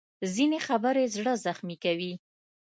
ځینې خبرې زړه زخمي کوي